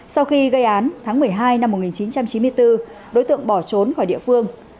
sau khi gây án tháng một mươi hai năm một nghìn chín trăm chín mươi bốn đối tượng bỏ trốn khỏi địa phương